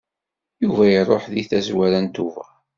Yuba iṛuḥ deg tazwara n Tubeṛ.